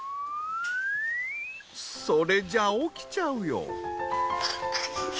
それじゃあ起きちゃうよ。